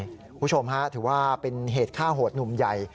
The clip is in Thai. คุณผู้ชมฮะถือว่าเป็นเหตุฆ่าโหดหนุ่มใหญ่